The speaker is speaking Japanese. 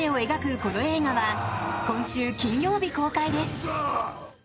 この映画は今週金曜日公開です！